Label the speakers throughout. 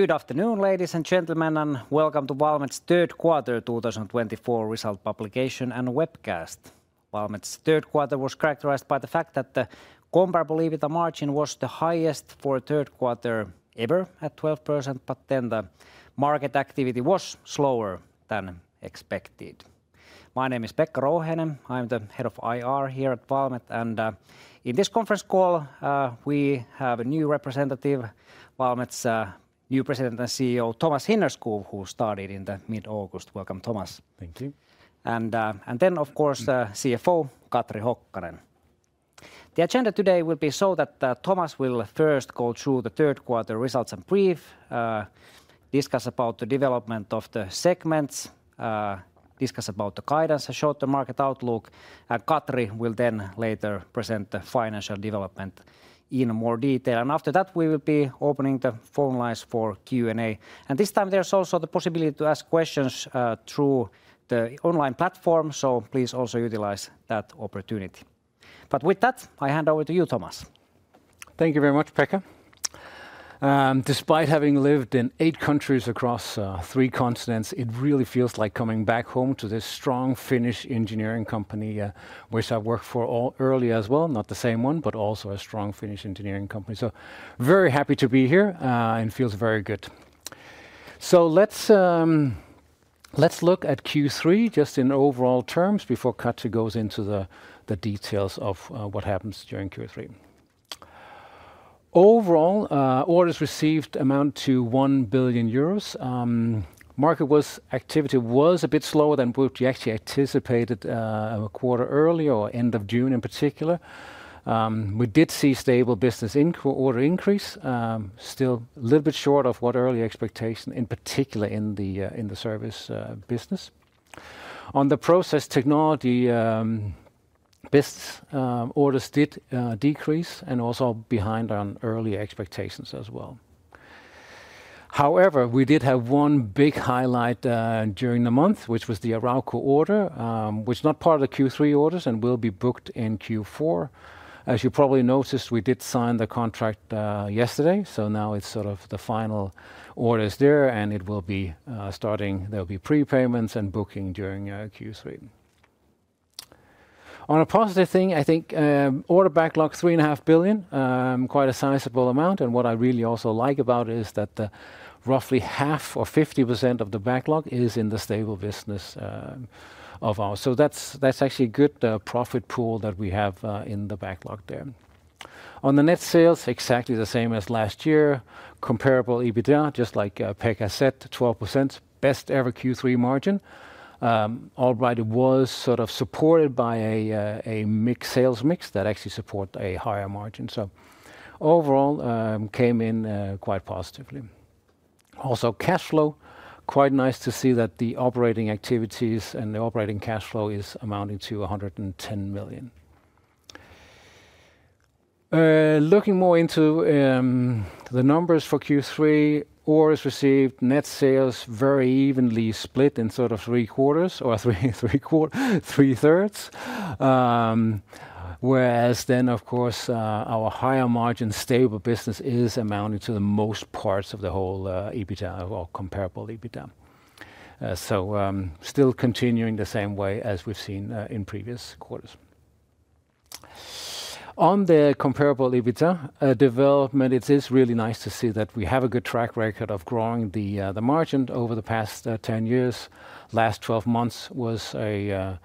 Speaker 1: Good afternoon, ladies and gentlemen, and welcome to Valmet's third quarter 2024 result publication and webcast. Valmet's third quarter was characterized by the fact that the comparable EBITDA margin was the highest for a third quarter ever at 12%, but then the market activity was slower than expected. My name is Pekka Rouhiainen. I'm the head of IR here at Valmet, and in this conference call, we have a new representative, Valmet's new President and CEO, Thomas Hinnerskov, who started in mid-August. Welcome, Thomas.
Speaker 2: Thank you.
Speaker 1: And then, of course, CFO Katri Hokkanen. The agenda today will be so that Thomas will first go through the third quarter results and brief, discuss about the development of the segments, discuss about the guidance, a short-term market outlook, and Katri will then later present the financial development in more detail. After that, we will be opening the phone lines for Q&A. This time, there's also the possibility to ask questions through the online platform, so please also utilize that opportunity. With that, I hand over to you, Thomas.
Speaker 2: Thank you very much, Pekka. Despite having lived in eight countries across three continents, it really feels like coming back home to this strong Finnish engineering company, which I've worked for earlier as well. Not the same one, but also a strong Finnish engineering company. So very happy to be here and feels very good. So let's look at Q3 just in overall terms before Katri goes into the details of what happens during Q3. Overall, orders received amount to 1 billion euros. Market activity was a bit slower than what we actually anticipated a quarter earlier or end of June in particular. We did see stable business order increase, still a little bit short of what early expectations, in particular in the service business. On the process technology business, orders did decrease and also behind on earlier expectations as well. However, we did have one big highlight during the month, which was the Arauco order, which is not part of the Q3 orders and will be booked in Q4. As you probably noticed, we did sign the contract yesterday, so now it's sort of the final orders there, and it will be starting. There will be prepayments and booking during Q3. On a positive thing, I think order backlog, €3.5 billion, quite a sizable amount. And what I really also like about it is that roughly half or 50% of the backlog is in the stable business of ours. So that's actually a good profit pool that we have in the backlog there. On the net sales, exactly the same as last year, comparable EBITDA, just like Pekka said, 12% best ever Q3 margin. Alright, it was sort of supported by a mixed sales mix that actually supports a higher margin. So overall, it came in quite positively. Also, cash flow, quite nice to see that the operating activities and the operating cash flow is amounting to 110 million. Looking more into the numbers for Q3, orders received, net sales very evenly split in sort of three quarters or three quarters, three thirds. Whereas then, of course, our higher margin stable business is amounting to the most parts of the whole EBITDA or comparable EBITDA. So still continuing the same way as we've seen in previous quarters. On the comparable EBITDA development, it is really nice to see that we have a good track record of growing the margin over the past 10 years. Last 12 months was, I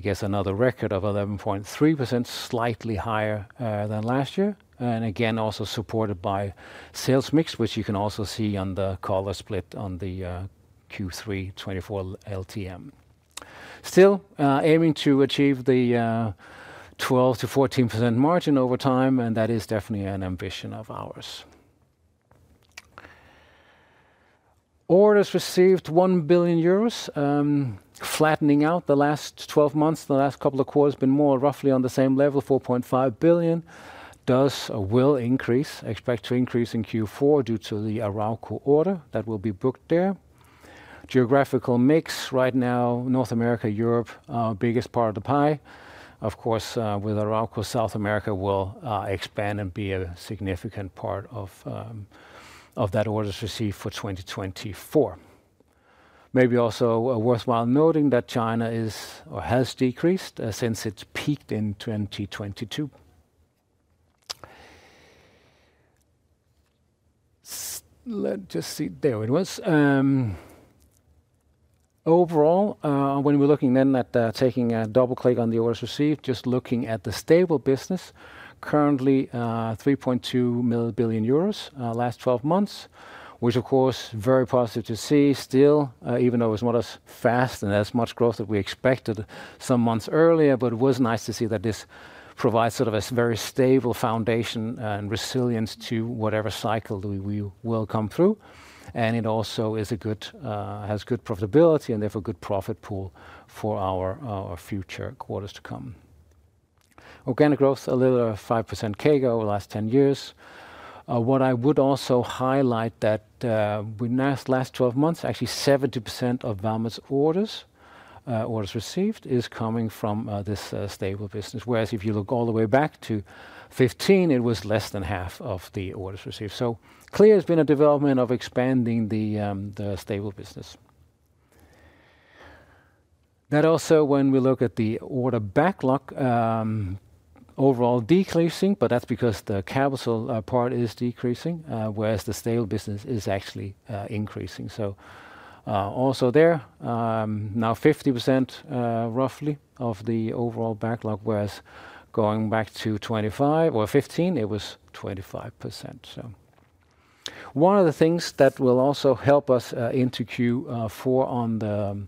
Speaker 2: guess, another record of 11.3%, slightly higher than last year. Again, also supported by sales mix, which you can also see on the color split on the Q3 2024 LTM. Still aiming to achieve the 12%-14% margin over time, and that is definitely an ambition of ours. Orders received 1 billion euros, flattening out the last 12 months. The last couple of quarters have been more roughly on the same level, 4.5 billion. Orders will increase, expect to increase in Q4 due to the Arauco order that will be booked there. Geographical mix right now, North America, Europe are the biggest part of the pie. Of course, with Arauco, South America will expand and be a significant part of that orders received for 2024. Maybe also worthwhile noting that China is or has decreased since it peaked in 2022. Let's just see, there it was. Overall, when we're looking then at taking a double click on the orders received, just looking at the stable business, currently 3.2 billion euros last 12 months, which of course is very positive to see still, even though it's not as fast and as much growth that we expected some months earlier. But it was nice to see that this provides sort of a very stable foundation and resilience to whatever cycle we will come through. And it also is a good, has good profitability and therefore good profit pool for our future quarters to come. Organic growth, a little over 5% CAGR over the last 10 years. What I would also highlight that we last 12 months, actually 70% of Valmet's orders received is coming from this stable business. Whereas if you look all the way back to 2015, it was less than half of the orders received. So, clearly there's been a development of expanding the stable business. That also, when we look at the order backlog, overall decreasing, but that's because the capital part is decreasing, whereas the stable business is actually increasing. So also there, now roughly 50% of the overall backlog, whereas going back to 2025 or 2015, it was 25%. So one of the things that will also help us into Q4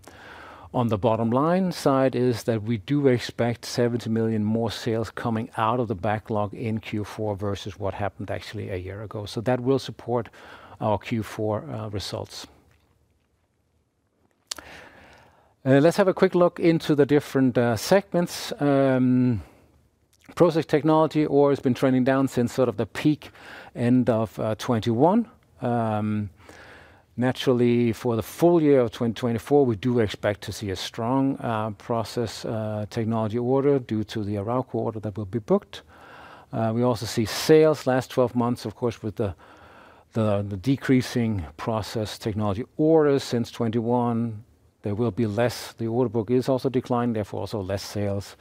Speaker 2: on the bottom line side is that we do expect 70 million more sales coming out of the backlog in Q4 versus what happened actually a year ago. So that will support our Q4 results. Let's have a quick look into the different segments. Process Technologies order has been trending down since sort of the peak end of 2021. Naturally, for the full year of 2024, we do expect to see a strong process technology order due to the Arauco order that will be booked. We also see sales last 12 months, of course, with the decreasing process technology orders since 2021. There will be less. The order book is also declined, therefore also less sales,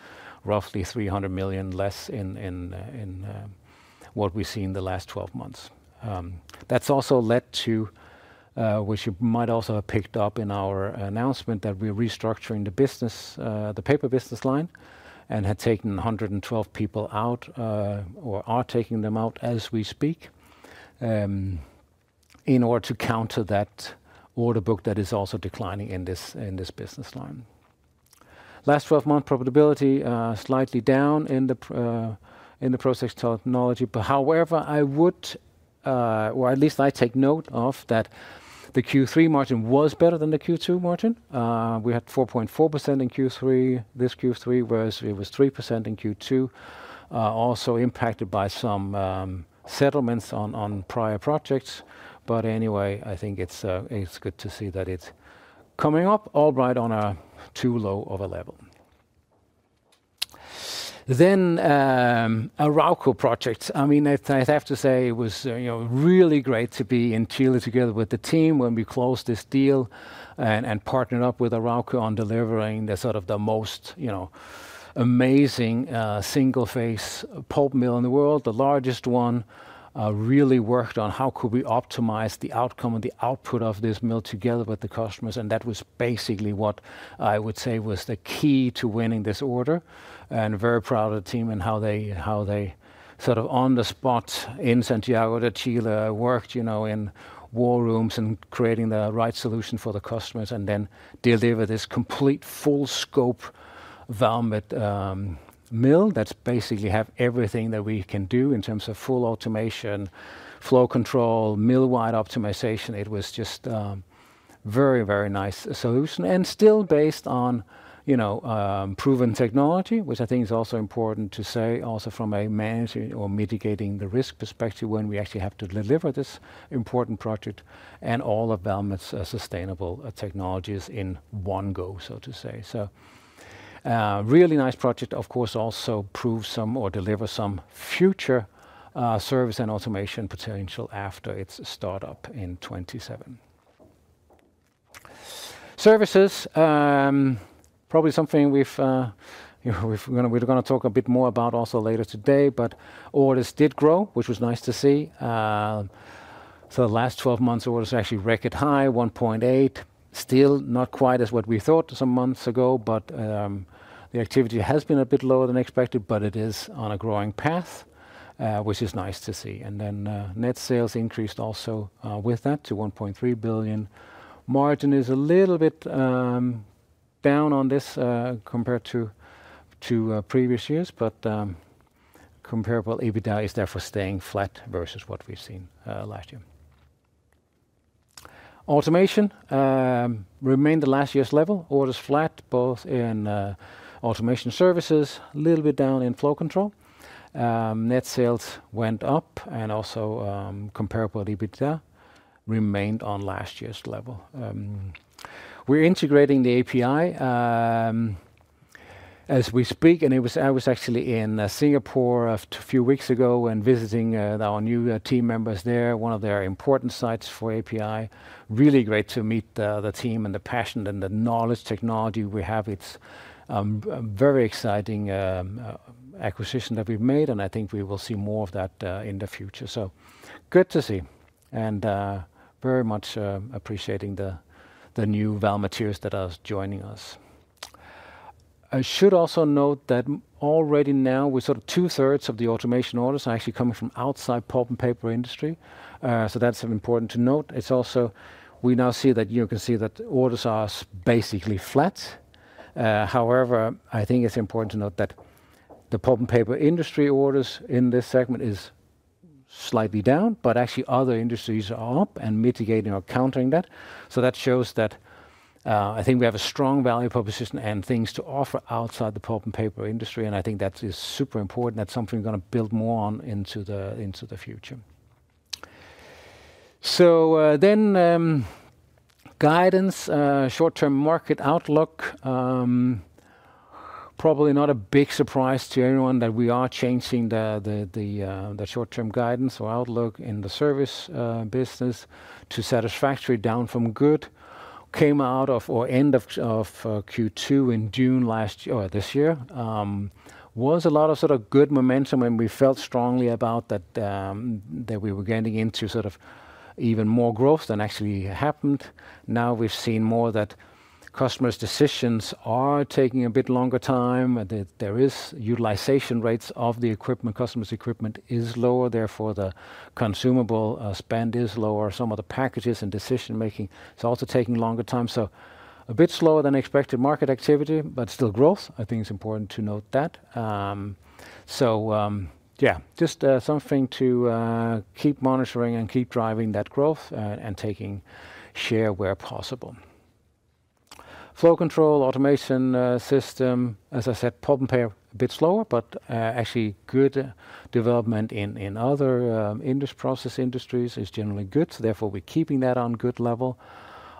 Speaker 2: roughly 300 million less in what we see in the last 12 months. That's also led to, which you might also have picked up in our announcement, that we're restructuring the business, the paper business line, and had taken 112 people out or are taking them out as we speak in order to counter that order book that is also declining in this business line. Last 12 months profitability slightly down in the process technology. However, I would, or at least I take note of that the Q3 margin was better than the Q2 margin. We had 4.4% in Q3, this Q3, whereas it was 3% in Q2, also impacted by some settlements on prior projects. But anyway, I think it's good to see that it's coming up, alright, on a too low of a level. Then Arauco projects. I mean, I have to say it was really great to be in Chile together with the team when we closed this deal and partnered up with Arauco on delivering the sort of the most amazing single phase pulp mill in the world, the largest one. Really worked on how could we optimize the outcome and the output of this mill together with the customers. And that was basically what I would say was the key to winning this order. And very proud of the team and how they sort of on the spot in Santiago de Chile worked in war rooms and creating the right solution for the customers and then deliver this complete full scope Valmet mill that's basically have everything that we can do in terms of full automation, flow control, mill-wide optimization. It was just a very, very nice solution. And still based on proven technology, which I think is also important to say also from a managing or mitigating the risk perspective when we actually have to deliver this important project and all of Valmet's sustainable technologies in one go, so to say. So really nice project, of course, also prove some or deliver some future service and automation potential after its startup in 2027. Services, probably something we're going to talk a bit more about also later today, but orders did grow, which was nice to see. So the last 12 months orders actually record high, 1.8 billion, still not quite as what we thought some months ago, but the activity has been a bit lower than expected, but it is on a growing path, which is nice to see, and then net sales increased also with that to 1.3 billion. Margin is a little bit down on this compared to previous years, but comparable EBITDA is therefore staying flat versus what we've seen last year. Automation remained the last year's level, orders flat both in automation services, a little bit down in flow control. Net sales went up and also comparable EBITDA remained on last year's level. We're integrating the API as we speak, and I was actually in Singapore a few weeks ago and visiting our new team members there, one of their important sites for API. Really great to meet the team and the passion and the knowledge technology we have. It's a very exciting acquisition that we've made, and I think we will see more of that in the future. So good to see and very much appreciating the new Valmet peers that are joining us. I should also note that already now we sort of two thirds of the automation orders are actually coming from outside pulp and paper industry. So that's important to note. It's also we now see that you can see that orders are basically flat. However, I think it's important to note that the pulp and paper industry orders in this segment is slightly down, but actually other industries are up and mitigating or countering that. So that shows that I think we have a strong value proposition and things to offer outside the pulp and paper industry. And I think that is super important. That's something we're going to build more on into the future. So then guidance, short term market outlook, probably not a big surprise to everyone that we are changing the short term guidance or outlook in the service business to satisfactory down from good came out of or end of Q2 in June last year or this year, was a lot of sort of good momentum when we felt strongly about that we were getting into sort of even more growth than actually happened. Now we've seen more that customers' decisions are taking a bit longer time. There is utilization rates of the equipment. Customers' equipment is lower. Therefore, the consumable spend is lower. Some of the packages and decision making is also taking longer time. So a bit slower than expected market activity, but still growth. I think it's important to note that. So yeah, just something to keep monitoring and keep driving that growth and taking share where possible. Flow Control, Automation Systems, as I said, pulp and paper a bit slower, but actually good development in other industry process industries is generally good. Therefore, we're keeping that on good level.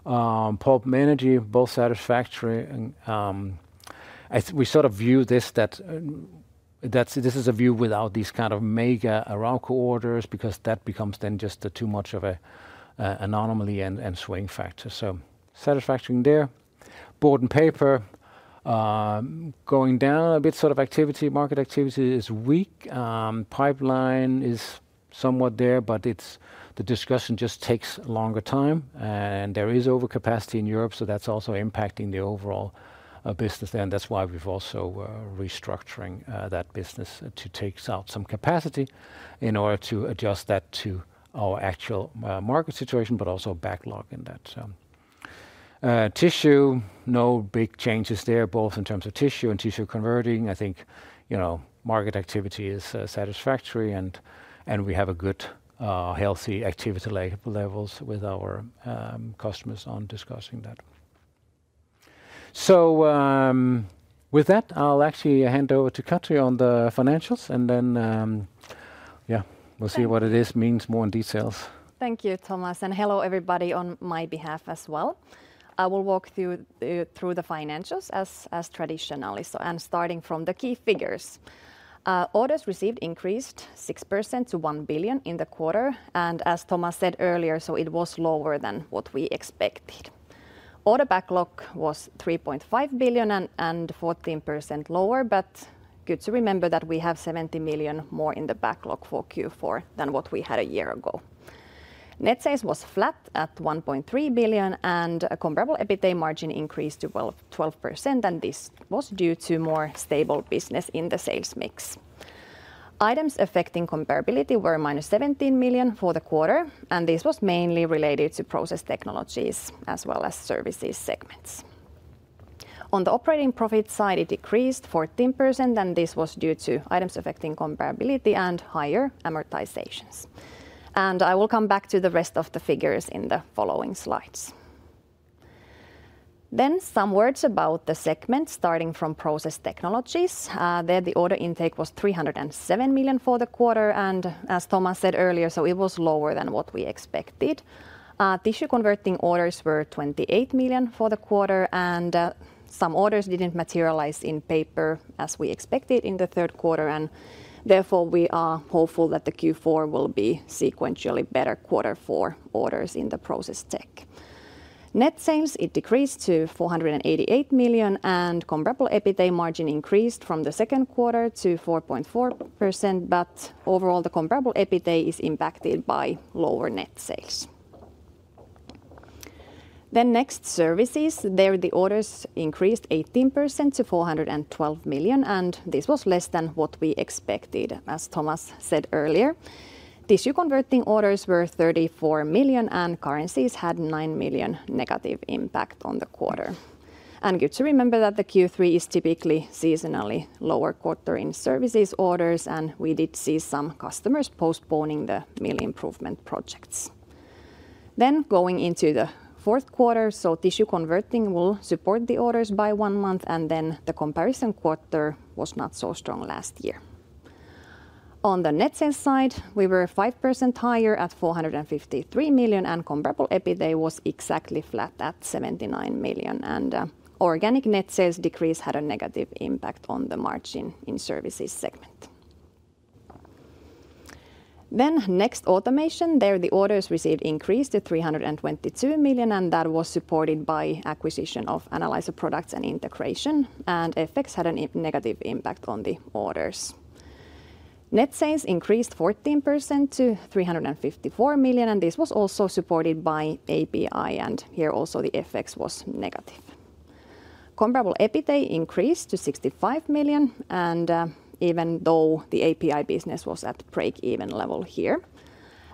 Speaker 2: Pulp and Paper, both satisfactory. We sort of view this that this is a view without these kind of mega Arauco orders because that becomes then just too much of an anomaly and swing factor. So satisfactory there. Board and paper going down a bit, sort of activity. Market activity is weak. Pipeline is somewhat there, but the discussion just takes longer time. And there is overcapacity in Europe. So that's also impacting the overall business there. And that's why we've also restructuring that business to take out some capacity in order to adjust that to our actual market situation, but also backlog in that. Tissue, no big changes there, both in terms of tissue and tissue converting. I think market activity is satisfactory and we have a good healthy activity levels with our customers on discussing that. So with that, I'll actually hand over to Katri on the financials and then yeah, we'll see what it means more in details.
Speaker 3: Thank you, Thomas. And hello everybody on my behalf as well. I will walk through the financials as traditionally and starting from the key figures. Orders received increased 6% to 1 billion in the quarter. And as Thomas said earlier, so it was lower than what we expected. Order backlog was 3.5 billion and 14% lower, but good to remember that we have 70 million more in the backlog for Q4 than what we had a year ago. Net sales was flat at 1.3 billion and comparable EBITDA margin increased to 12%. And this was due to more stable business in the sales mix. Items affecting comparability were minus 17 million for the quarter. And this was mainly related to process technologies as well as services segments. On the operating profit side, it decreased 14% and this was due to items affecting comparability and higher amortizations. And I will come back to the rest of the figures in the following slides. Then some words about the segment starting from process technologies. There the order intake was 307 million for the quarter. As Thomas said earlier, so it was lower than what we expected. Tissue Converting orders were 28 million for the quarter and some orders didn't materialize in paper as we expected in the third quarter. Therefore we are hopeful that the Q4 will be sequentially better quarter for orders in the process tech. Net sales, it decreased to 488 million and comparable EBITDA margin increased from the second quarter to 4.4%, but overall the comparable EBITDA is impacted by lower net sales. Next services, there the orders increased 18% to 412 million and this was less than what we expected, as Thomas said earlier. Tissue Converting orders were 34 million and currencies had 9 million negative impact on the quarter. Good to remember that the Q3 is typically seasonally lower quarter in services orders and we did see some customers postponing the mill improvement projects. Then going into the fourth quarter, tissue converting will support the orders by one month and the comparison quarter was not so strong last year. On the net sales side, we were 5% higher at 453 million and comparable EBITDA was exactly flat at 79 million. Organic net sales decrease had a negative impact on the margin in services segment. Next, automation. There the orders received increased to 322 million and that was supported by acquisition of Analyzer Products and Integration. FX had a negative impact on the orders. Net sales increased 14% to 354 million and this was also supported by API and here also the FX was negative. Comparable EBITDA increased to 65 million and even though the API business was at break-even level here,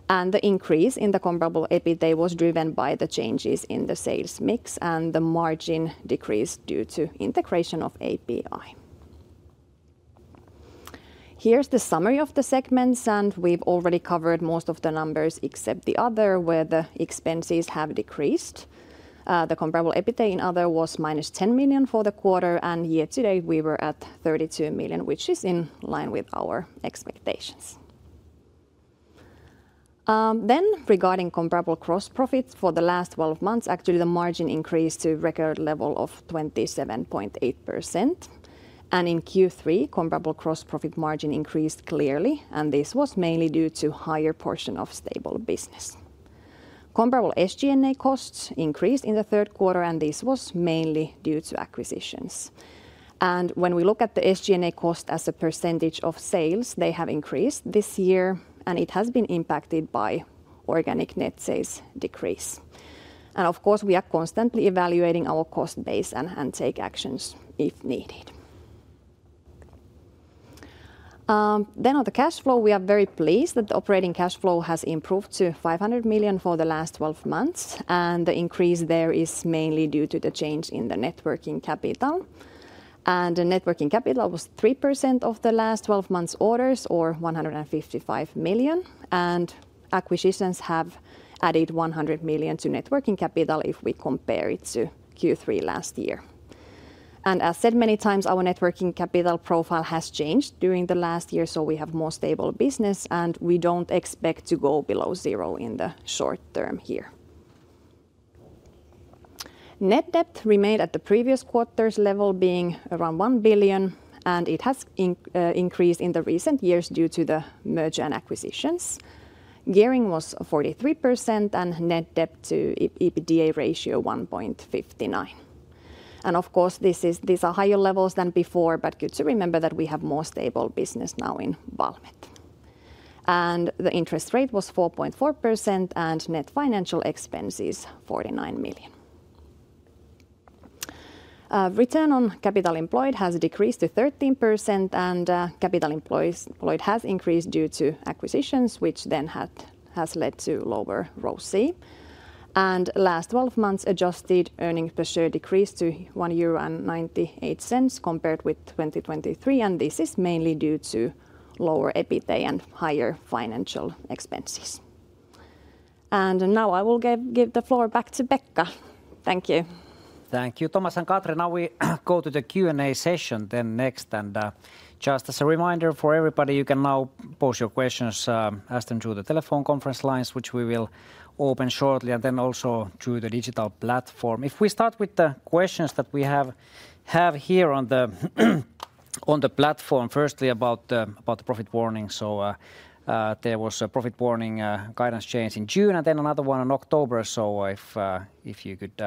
Speaker 3: and the increase in the comparable EBITDA was driven by the changes in the sales mix and the margin decreased due to integration of API. Here's the summary of the segments and we've already covered most of the numbers except the Other where the expenses have decreased. The comparable EBITDA in Other was minus 10 million for the quarter and year to date we were at 32 million, which is in line with our expectations, then regarding comparable gross profits for the last 12 months, actually the margin increased to record level of 27.8%, and in Q3, comparable gross profit margin increased clearly and this was mainly due to higher portion of stable business. Comparable SG&A costs increased in the third quarter and this was mainly due to acquisitions. And when we look at the SG&A cost as a percentage of sales, they have increased this year and it has been impacted by organic net sales decrease. And of course, we are constantly evaluating our cost base and take actions if needed. Then on the cash flow, we are very pleased that the operating cash flow has improved to 500 million for the last 12 months. And the increase there is mainly due to the change in the net working capital. And the net working capital was 3% of the last 12 months orders or 155 million. And acquisitions have added 100 million to net working capital if we compare it to Q3 last year. And as said many times, our net working capital profile has changed during the last year, so we have more stable business and we don't expect to go below zero in the short term here. Net debt remained at the previous quarter's level, being around 1 billion, and it has increased in the recent years due to the merger and acquisitions. Gearing was 43% and net debt to EBITDA ratio 1.59. Of course, these are higher levels than before, but good to remember that we have more stable business now in Valmet. The interest rate was 4.4% and net financial expenses 49 million. Return on capital employed has decreased to 13% and capital employed has increased due to acquisitions, which then has led to lower ROCE. Last 12 months adjusted earnings per share decreased to 1.98 euro compared with 2023. Now I will give the floor back to Pekka. Thank you.
Speaker 1: Thank you, Thomas and Katri. Now we go to the Q&A session, then next. Just as a reminder for everybody, you can now post your questions or ask them through the telephone conference lines, which we will open shortly, and then also through the digital platform. If we start with the questions that we have here on the platform, firstly about the profit warning. So there was a profit warning guidance change in June and then another one in October. So if you could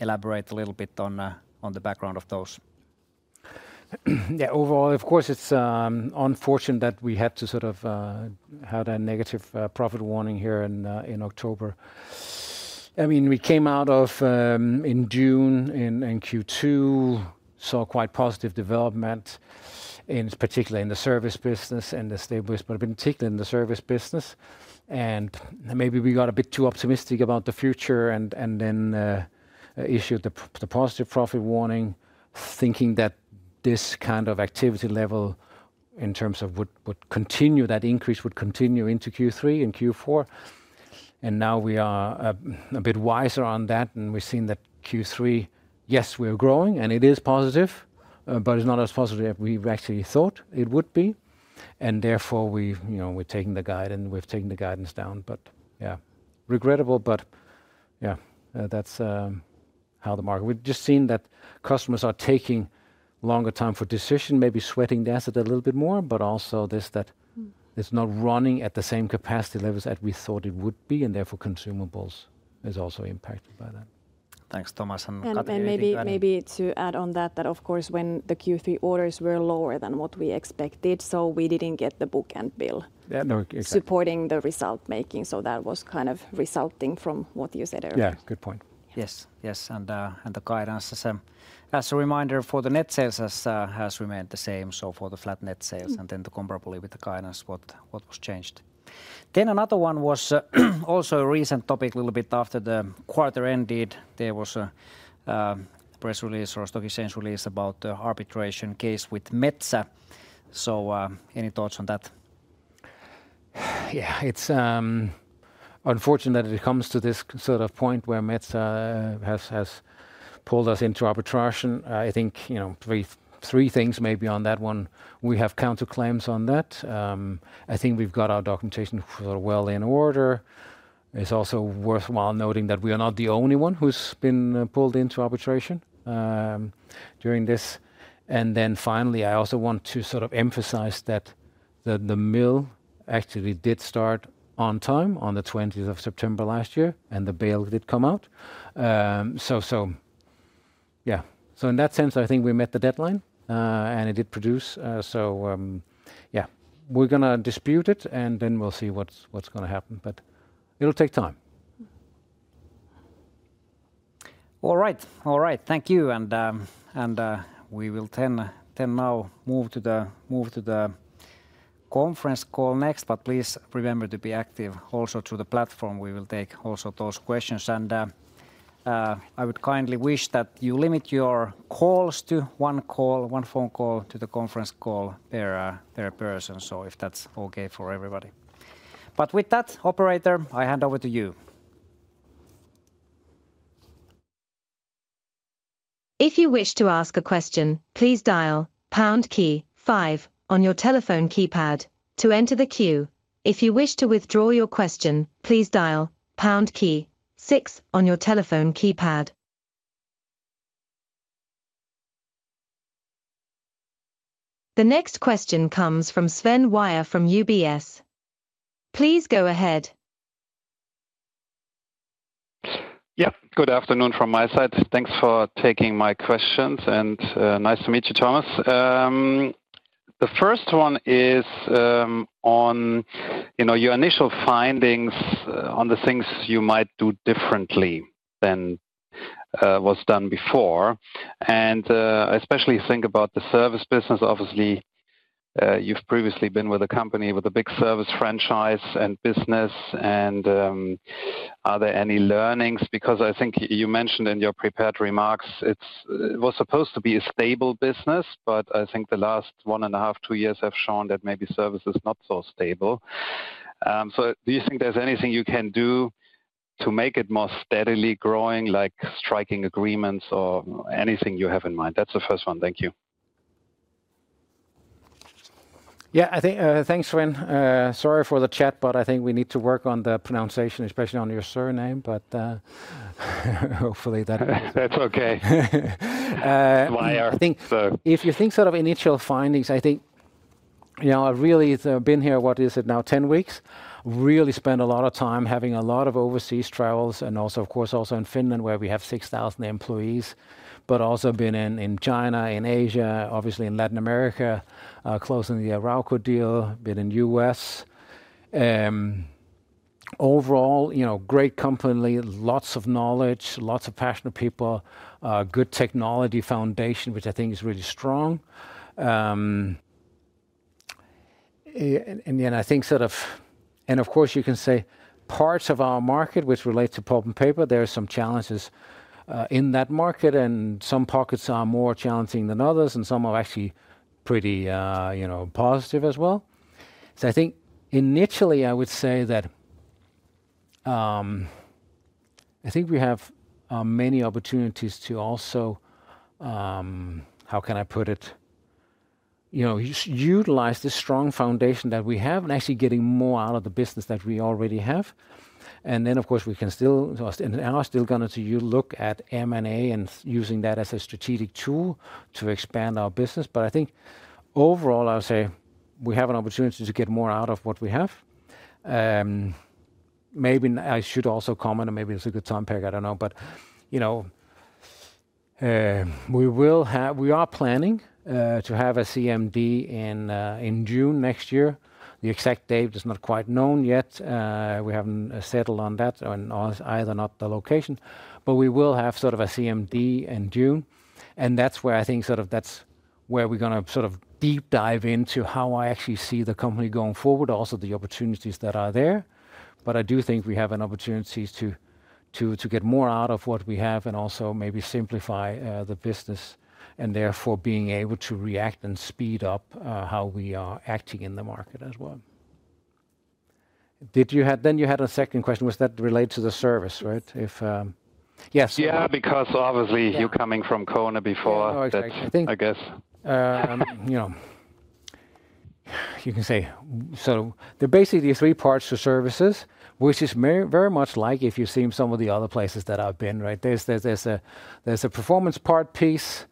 Speaker 1: elaborate a little bit on the background of those.
Speaker 2: Yeah, overall, of course, it's unfortunate that we had to sort of have a negative profit warning here in October. I mean, we came out of Q2 in June, saw quite positive development, particularly in the service business and the stable business, but particularly in the service business. And maybe we got a bit too optimistic about the future and then issued the positive profit warning, thinking that this kind of activity level in terms of would continue that increase would continue into Q3 and Q4. And now we are a bit wiser on that and we've seen that Q3, yes, we're growing and it is positive, but it's not as positive as we actually thought it would be. And therefore we're taking the guidance, we've taken the guidance down, but yeah, regrettable, but yeah, that's how the market. We've just seen that customers are taking longer time for decision, maybe sweating the asset a little bit more, but also this that it's not running at the same capacity levels that we thought it would be. And therefore consumables is also impacted by that. Thanks, Thomas.
Speaker 3: Maybe to add on that, of course when the Q3 orders were lower than what we expected, so we didn't get the book-and-bill. Yeah, no, exactly. Supporting the result-making. So that was kind of resulting from what you said earlier. Yeah, good point.
Speaker 1: Yes, yes. The guidance, as a reminder, for the net sales has remained the same. So for the flat net sales and then the comparable with the guidance, what was changed. Then another one was also a recent topic a little bit after the quarter ended. There was a press release or a stock exchange release about the arbitration case with Metsä. So any thoughts on that?
Speaker 2: Yeah, it's unfortunate that it comes to this sort of point where Metsä has pulled us into arbitration. I think three things maybe on that one. We have counterclaims on that. I think we've got our documentation sort of well in order. It's also worthwhile noting that we are not the only one who's been pulled into arbitration during this. And then finally, I also want to sort of emphasize that the mill actually did start on time on the 20th of September last year and the bale did come out. So yeah, so in that sense, I think we met the deadline and it did produce. So yeah, we're going to dispute it and then we'll see what's going to happen, but it'll take time.
Speaker 1: All right, all right. Thank you. And we will then now move to the conference call next, but please remember to be active also through the platform. We will take also those questions. And I would kindly wish that you limit your calls to one call, one phone call to the conference call per person. So if that's okay for everybody. But with that, operator, I hand over to you.
Speaker 4: If you wish to ask a question, please dial pound key five on your telephone keypad to enter the queue. If you wish to withdraw your question, please dial pound key six on your telephone keypad. The next question comes from Sven Weier from UBS. Please go ahead.
Speaker 5: Yep, good afternoon from my side. Thanks for taking my questions and nice to meet you, Thomas. The first one is on your initial findings on the things you might do differently than was done before. And especially think about the service business. Obviously, you've previously been with a company with a big service franchise and business. And are there any learnings? Because I think you mentioned in your prepared remarks, it was supposed to be a stable business, but I think the last one and a half, two years have shown that maybe service is not so stable. So do you think there's anything you can do to make it more steadily growing, like striking agreements or anything you have in mind? That's the first one. Thank you.
Speaker 2: Yeah, I think thanks, Sven. Sorry for the glitch, but I think we need to work on the pronunciation, especially on your surname, but hopefully that's okay. Weier. So if you think sort of initial findings, I think really I've been here, what is it now, 10 weeks, really spent a lot of time having a lot of overseas travels and also, of course, also in Finland where we have 6,000 employees, but also been in China, in Asia, obviously in Latin America, closing the Arauco deal, been in the U.S. Overall, great company, lots of knowledge, lots of passionate people, good technology foundation, which I think is really strong. And then I think sort of, and of course you can say parts of our market, which relates to pulp and paper, there are some challenges in that market and some pockets are more challenging than others and some are actually pretty positive as well. So I think initially I would say that I think we have many opportunities to also, how can I put it, utilize the strong foundation that we have and actually getting more out of the business that we already have. And then of course we can still, and are still going to look at M&A and using that as a strategic tool to expand our business. But I think overall I would say we have an opportunity to get more out of what we have. Maybe I should also comment and maybe it's a good time to pick, I don't know, but we are planning to have a CMD in June next year. The exact date is not quite known yet. We haven't settled on that and neither the location, but we will have sort of a CMD in June. That's where I think sort of that's where we're going to sort of deep dive into how I actually see the company going forward, also the opportunities that are there. I do think we have an opportunity to get more out of what we have and also maybe simplify the business and therefore being able to react and speed up how we are acting in the market as well. You had a second question. Was that related to the service, right?
Speaker 5: Yes. Yeah, because obviously you're coming from Kone before. Oh, exactly. I guess.
Speaker 2: You can say so there are basically three parts to services, which is very much like if you've seen some of the other places that I've been, right? There's a performance part piece,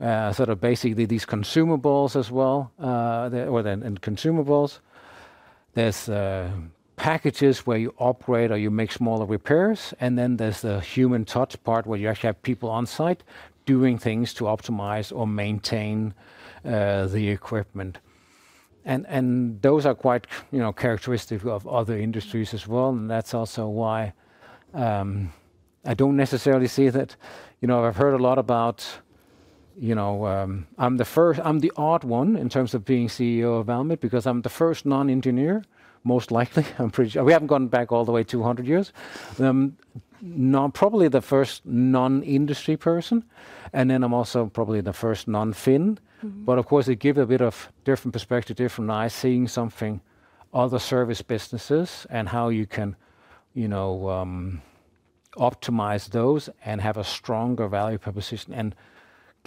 Speaker 2: sort of basically these consumables as well, or then consumables. There's packages where you operate or you make smaller repairs. And then there's the human touch part where you actually have people on site doing things to optimize or maintain the equipment. And those are quite characteristic of other industries as well. And that's also why I don't necessarily see that. I've heard a lot about. I'm the odd one in terms of being CEO of Valmet because I'm the first non-engineer, most likely. I'm pretty sure we haven't gone back all the way 200 years. Probably the first non-industry person. And then I'm also probably the first non-Finn. But of course, it gives a bit of different perspective, different eyes, seeing something other service businesses and how you can optimize those and have a stronger value proposition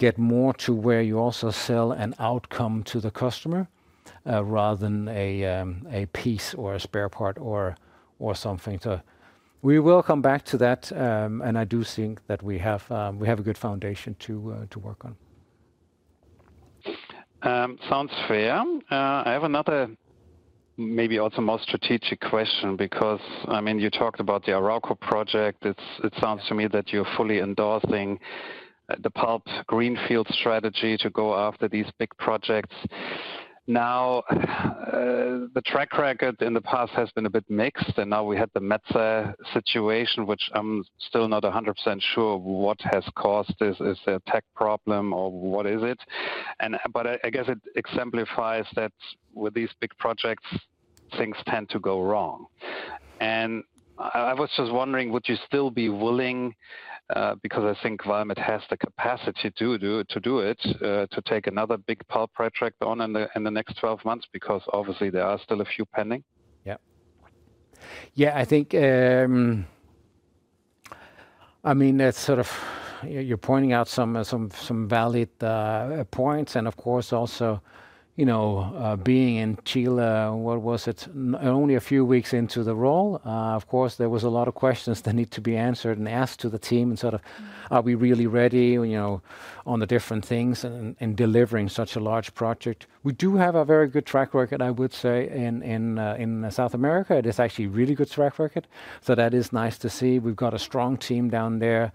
Speaker 2: and get more to where you also sell an outcome to the customer rather than a piece or a spare part or something. So we will come back to that. And I do think that we have a good foundation to work on.
Speaker 5: Sounds fair. I have another maybe also more strategic question because I mean, you talked about the Arauco project. It sounds to me that you're fully endorsing the pulp greenfield strategy to go after these big projects. Now, the track record in the past has been a bit mixed. And now we had the Metsä situation, which I'm still not 100% sure what has caused this. Is it a tech problem or what is it? But I guess it exemplifies that with these big projects, things tend to go wrong. And I was just wondering, would you still be willing? Because I think Valmet has the capacity to do it, to take another big pulp project on in the next 12 months because obviously there are still a few pending. Yeah.
Speaker 2: Yeah, I think, I mean, that's sort of you're pointing out some valid points. And of course, also being in Chile, what was it? Only a few weeks into the role, of course, there was a lot of questions that need to be answered and asked to the team and sort of, are we really ready on the different things and delivering such a large project? We do have a very good track record, I would say, in South America. It is actually a really good track record. So that is nice to see. We've got a strong team down there,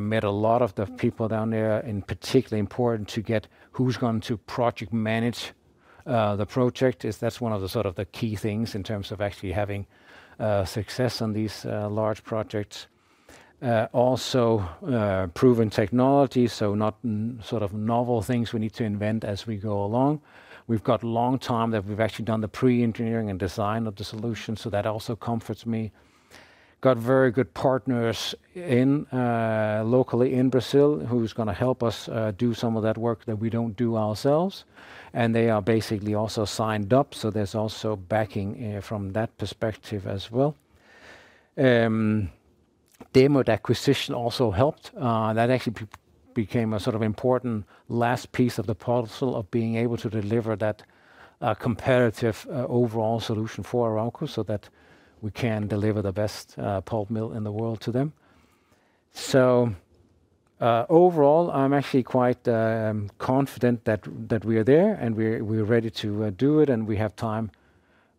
Speaker 2: met a lot of the people down there, and particularly important to get who's going to project manage the project. That's one of the sort of key things in terms of actually having success on these large projects. Also proven technology, so not sort of novel things we need to invent as we go along. We've got a long time that we've actually done the pre-engineering and design of the solution. So that also comforts me. Got very good partners locally in Brazil who's going to help us do some of that work that we don't do ourselves. And they are basically also signed up. So there's also backing from that perspective as well. Demuth acquisition also helped. That actually became a sort of important last piece of the puzzle of being able to deliver that competitive overall solution for Arauco so that we can deliver the best pulp mill in the world to them. So overall, I'm actually quite confident that we are there and we're ready to do it and we have time.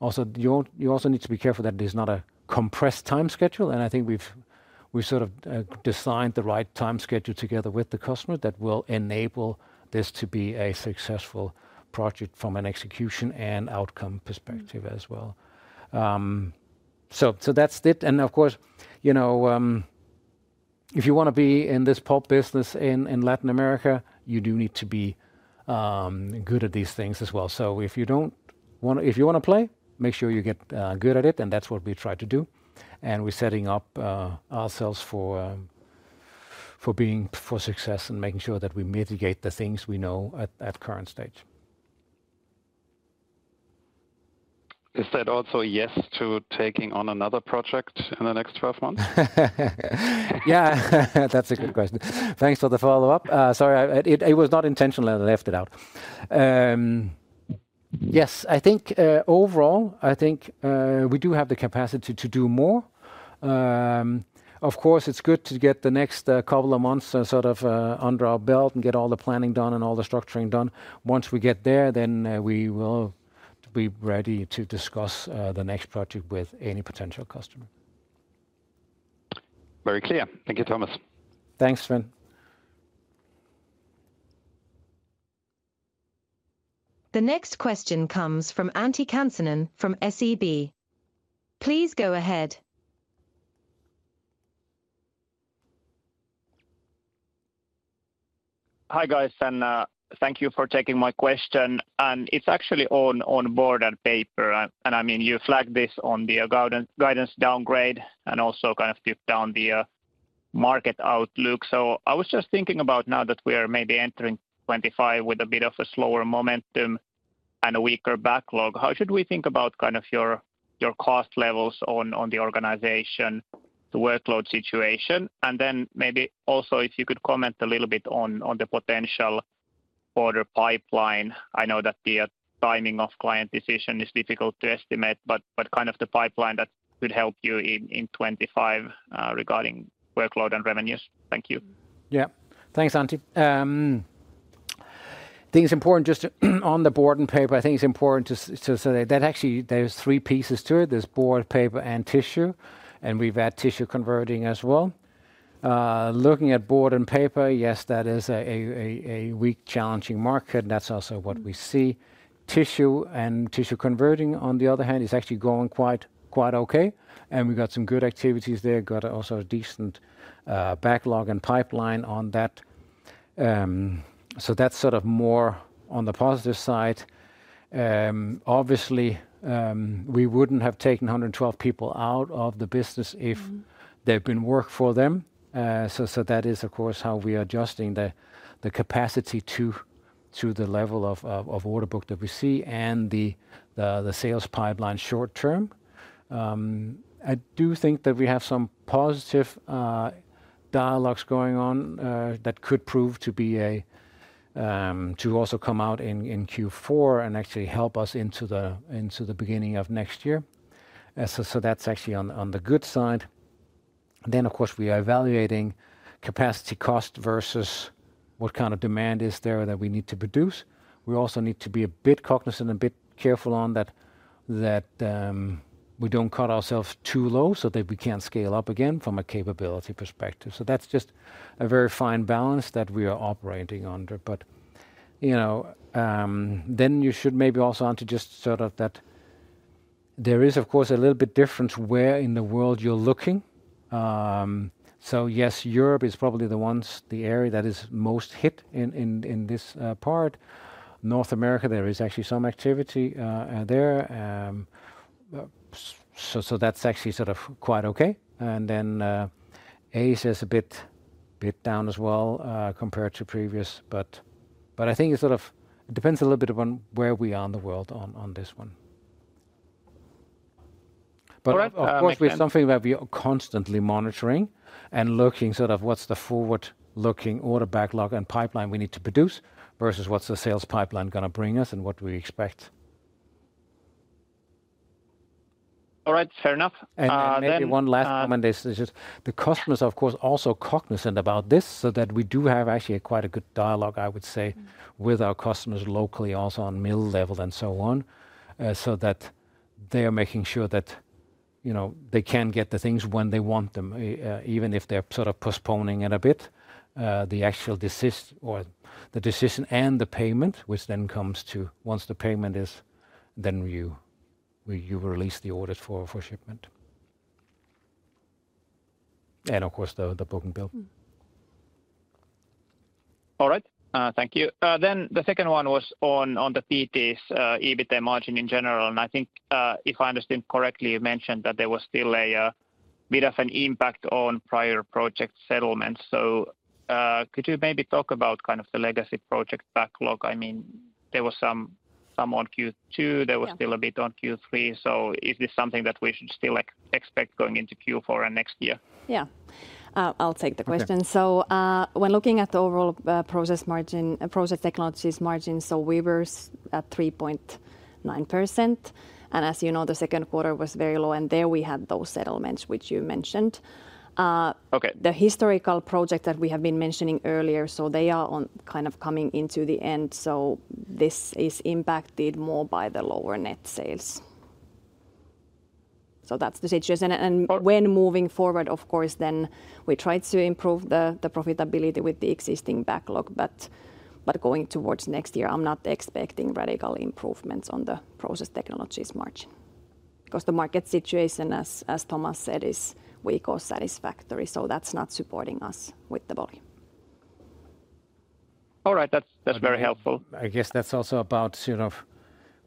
Speaker 2: Also, you also need to be careful that there's not a compressed time schedule. And I think we've sort of designed the right time schedule together with the customer that will enable this to be a successful project from an execution and outcome perspective as well. So that's it. And of course, if you want to be in this pulp business in Latin America, you do need to be good at these things as well. So if you don't want to, if you want to play, make sure you get good at it. And that's what we try to do. And we're setting up ourselves for being for success and making sure that we mitigate the things we know at current stage.
Speaker 5: Is that also a yes to taking on another project in the next 12 months?
Speaker 2: Yeah, that's a good question. Thanks for the follow-up. Sorry, it was not intentional that I left it out. Yes, I think overall, I think we do have the capacity to do more. Of course, it's good to get the next couple of months sort of under our belt and get all the planning done and all the structuring done. Once we get there, then we will be ready to discuss the next project with any potential customer.
Speaker 5: Very clear. Thank you, Thomas.
Speaker 2: Thanks, Sven.
Speaker 4: The next question comes from Antti Kansanen from SEB. Please go ahead.
Speaker 6: Hi guys, and thank you for taking my question. And it's actually on board and paper. And I mean, you flagged this on the guidance downgrade and also kind of dipped down the market outlook. So I was just thinking about now that we are maybe entering 2025 with a bit of a slower momentum and a weaker backlog, how should we think about kind of your cost levels on the organization, the workload situation? And then maybe also if you could comment a little bit on the potential order pipeline. I know that the timing of client decision is difficult to estimate, but kind of the pipeline that could help you in 2025 regarding workload and revenues. Thank you.
Speaker 2: Yeah, thanks, Antti. I think it's important just on the board and paper. I think it's important to say that actually there's three pieces to it. There's board, paper, and tissue. And we've had tissue converting as well. Looking at board and paper, yes, that is a weak, challenging market. That's also what we see. Tissue and Tissue Converting, on the other hand, is actually going quite okay, and we've got some good activities there. Got also a decent backlog and pipeline on that, so that's sort of more on the positive side. Obviously, we wouldn't have taken 112 people out of the business if there had been work for them, so that is, of course, how we are adjusting the capacity to the level of order book that we see and the sales pipeline short term. I do think that we have some positive dialogues going on that could prove to be orders to also come out in Q4 and actually help us into the beginning of next year, so that's actually on the good side, then, of course, we are evaluating capacity cost versus what kind of demand is there that we need to produce. We also need to be a bit cognizant and a bit careful on that we don't cut ourselves too low so that we can't scale up again from a capability perspective. So that's just a very fine balance that we are operating under. But then you should maybe also, Antti, just sort of that there is, of course, a little bit different where in the world you're looking. So yes, Europe is probably the ones, the area that is most hit in this part. North America, there is actually some activity there. So that's actually sort of quite okay. And then Asia is a bit down as well compared to previous. But I think it sort of depends a little bit on where we are in the world on this one. But of course, we have something that we are constantly monitoring and looking sort of what's the forward-looking order backlog and pipeline we need to produce versus what's the sales pipeline going to bring us and what we expect. All right, fair enough. And maybe one last comment is just the customers, of course, also cognizant about this so that we do have actually quite a good dialogue, I would say, with our customers locally also on mill level and so on so that they are making sure that they can get the things when they want them, even if they're sort of postponing it a bit, the actual decision or the decision and the payment, which then comes to once the payment is, then you release the orders for shipment. And of course, the book-and-bill.
Speaker 6: All right, thank you. Then the second one was on the PT's EBITDA margin in general. And I think if I understand correctly, you mentioned that there was still a bit of an impact on prior project settlements. So could you maybe talk about kind of the legacy project backlog? I mean, there was some on Q2, there was still a bit on Q3. So is this something that we should still expect going into Q4 and next year?
Speaker 3: Yeah, I'll take the question. So when looking at the overall Process Technologies margin, Process Technologies margin, so we were at 3.9%. And as you know, the second quarter was very low. And there we had those settlements, which you mentioned. The historical project that we have been mentioning earlier, so they are kind of coming into the end. So this is impacted more by the lower net sales. So that's the situation. When moving forward, of course, then we tried to improve the profitability with the existing backlog. Going towards next year, I'm not expecting radical improvements on the process technologies margin because the market situation, as Thomas said, is weak or satisfactory. That's not supporting us with the volume.
Speaker 6: All right, that's very helpful. I guess that's also about sort of,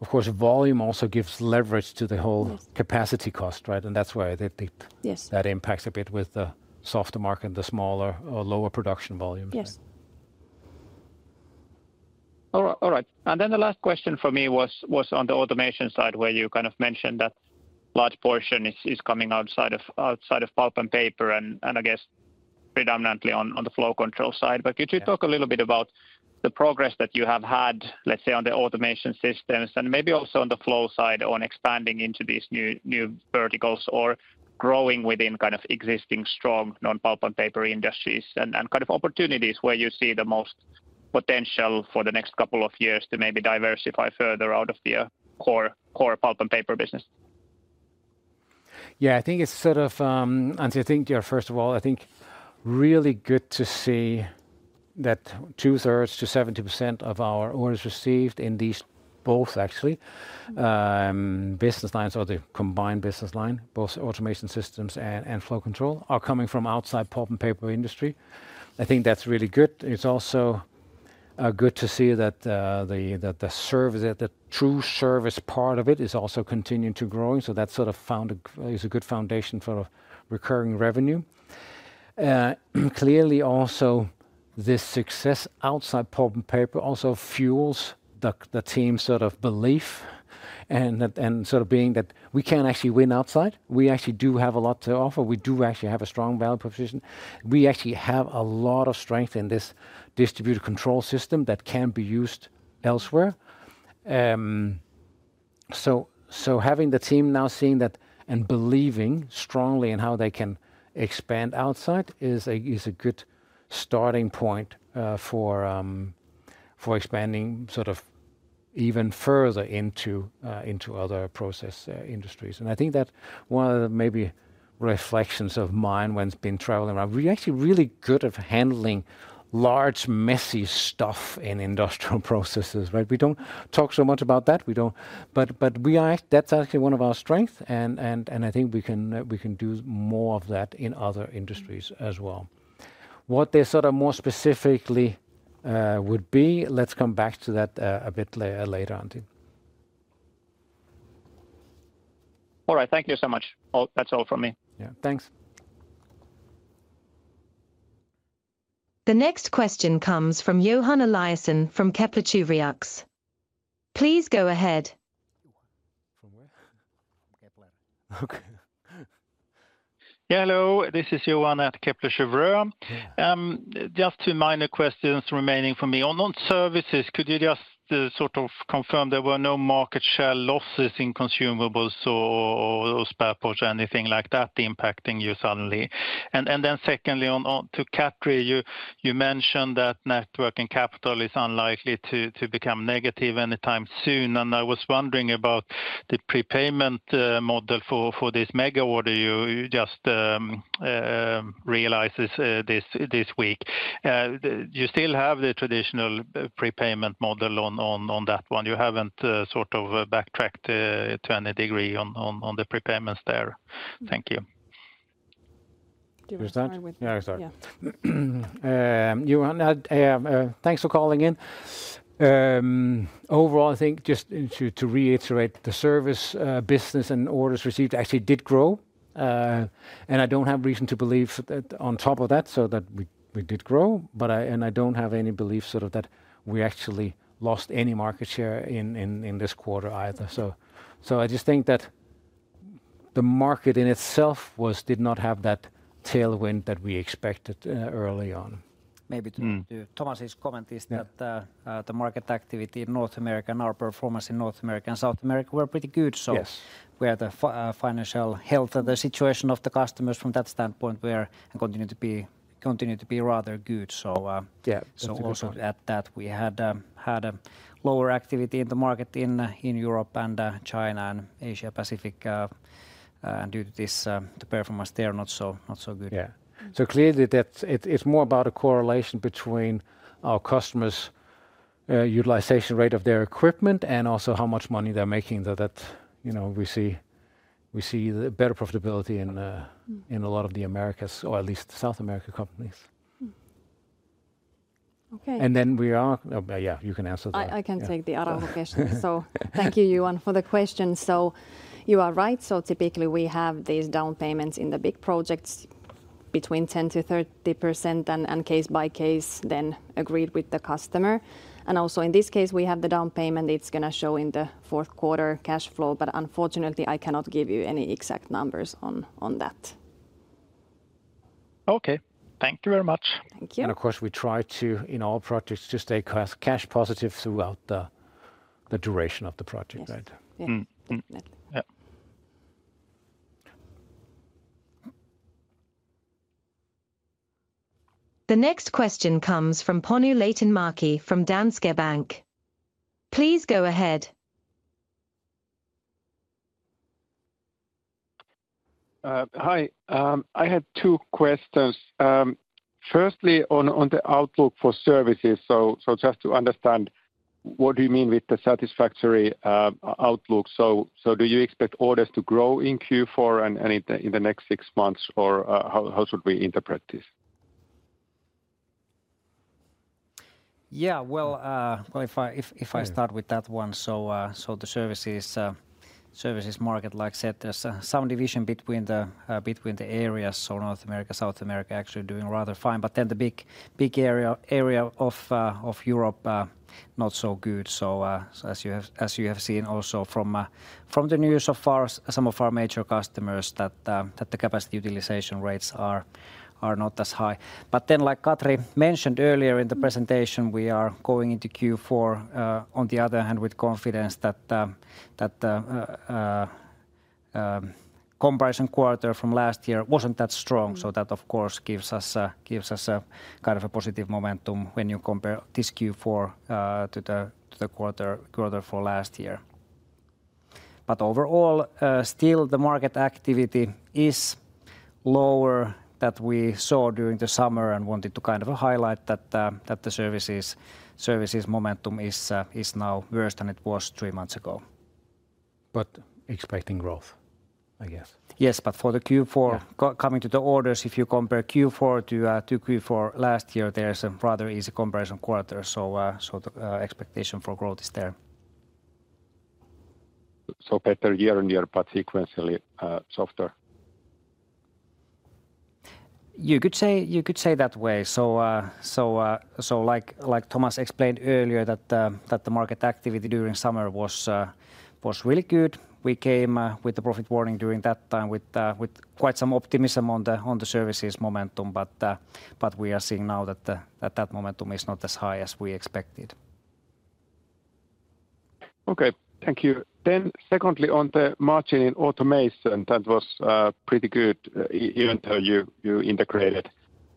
Speaker 6: of course, volume also gives leverage to the whole capacity cost, right? That's why that impacts a bit with the softer market and the smaller or lower production volume. Yes. All right. Then the last question for me was on the automation side where you kind of mentioned that large portion is coming outside of pulp and paper and I guess predominantly on the flow control side. But could you talk a little bit about the progress that you have had, let's say, on the automation systems and maybe also on the flow side on expanding into these new verticals or growing within kind of existing strong non-pulp and paper industries and kind of opportunities where you see the most potential for the next couple of years to maybe diversify further out of the core pulp and paper business?
Speaker 2: Yeah, I think it's sort of, Antti, I think you're first of all, I think really good to see that two-thirds to 70% of our orders received in these both actually business lines or the combined business line, both automation systems and flow control are coming from outside pulp and paper industry. I think that's really good. It's also good to see that the service, the true service part of it is also continuing to growing. So that sort of foundation is a good foundation for recurring revenue. Clearly, also this success outside pulp and paper also fuels the team's sort of belief and sort of being that we can actually win outside. We actually do have a lot to offer. We do actually have a strong value proposition. We actually have a lot of strength in this distributed control system that can be used elsewhere. So having the team now seeing that and believing strongly in how they can expand outside is a good starting point for expanding sort of even further into other process industries. And I think that one of the maybe reflections of mine when I've been traveling around, we're actually really good at handling large, messy stuff in industrial processes, right? We don't talk so much about that. But that's actually one of our strengths. And I think we can do more of that in other industries as well. What they sort of more specifically would be, let's come back to that a bit later, Antti.
Speaker 6: All right, thank you so much. That's all from me. Yeah, thanks.
Speaker 4: The next question comes from Johan Eliasson from Kepler Cheuvreux. Please go ahead. From where? From Kepler.
Speaker 7: Okay. Yeah, hello, this is Johan at Kepler Cheuvreux. Just two minor questions remaining for me. On services, could you just sort of confirm there were no market share losses in consumables or spare parts or anything like that impacting you suddenly? And then secondly, on to Katri, you mentioned that net working capital is unlikely to become negative anytime soon. And I was wondering about the prepayment model for this mega order you just realized this week. You still have the traditional prepayment model on that one. You haven't sort of backtracked to any degree on the prepayments there. Thank you. Do you understand?
Speaker 2: Yeah, exactly. Johan, thanks for calling in. Overall, I think just to reiterate the service business and orders received actually did grow, and I don't have reason to believe that on top of that, so that we did grow. And I don't have any belief sort of that we actually lost any market share in this quarter either. So I just think that the market in itself did not have that tailwind that we expected early on.
Speaker 7: Maybe Thomas's comment is that the market activity in North America and our performance in North America and South America were pretty good. So we had a financial health and the situation of the customers from that standpoint were and continue to be rather good. So, also at that, we had a lower activity in the market in Europe and China and Asia-Pacific. And due to this, the performance there not so good.
Speaker 2: Yeah, so clearly that it's more about a correlation between our customers' utilization rate of their equipment and also how much money they're making that we see better profitability in a lot of the Americas or at least South America companies. Okay. And then we are, yeah, you can answer that.
Speaker 3: I can take the other question. So thank you, Johan, for the question. So you are right. So typically we have these down payments in the big projects between 10%-30% and case by case then agreed with the customer. And also in this case, we have the down payment. It's going to show in the fourth quarter cash flow. But unfortunately, I cannot give you any exact numbers on that.
Speaker 7: Okay, thank you very much. Thank you. And of course, we try to, in all projects, to stay cash positive throughout the duration of the project, right?
Speaker 2: Yeah, definitely. Yeah.
Speaker 4: The next question comes from Panu Laitinmäki from Danske Bank. Please go ahead.
Speaker 8: Hi, I had two questions. Firstly, on the outlook for services, so just to understand what do you mean with the satisfactory outlook? So do you expect orders to grow in Q4 and in the next six months, or how should we interpret this?
Speaker 2: Yeah, well, if I start with that one, so the services market, like I said, there's some division between the areas. So North America, South America actually doing rather fine. But then the big area of Europe, not so good. So as you have seen also from the news of some of our major customers, that the capacity utilization rates are not as high. But then, like Katri mentioned earlier in the presentation, we are going into Q4 on the other hand with confidence that the comparison quarter from last year wasn't that strong. So that, of course, gives us a kind of a positive momentum when you compare this Q4 to the quarter for last year. But overall, still the market activity is lower than we saw during the summer and wanted to kind of highlight that the services momentum is now worse than it was three months ago. But expecting growth, I guess. Yes, but for the Q4, coming to the orders, if you compare Q4 to Q4 last year, there's a rather easy comparison quarter. So the expectation for growth is there.
Speaker 8: So, better year on year, but sequentially softer.
Speaker 2: You could say that way. So, like Thomas explained earlier, that the market activity during summer was really good. We came with the profit warning during that time with quite some optimism on the services momentum. But we are seeing now that that momentum is not as high as we expected.
Speaker 8: Okay, thank you. Then, secondly, on the margin in automation, that was pretty good. Even though you integrated